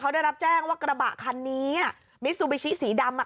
ได้รับแจ้งว่ากระบะคันนี้อ่ะมิซูบิชิสีดำอ่ะ